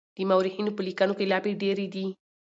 د مورخينو په ليکنو کې لافې ډېرې دي.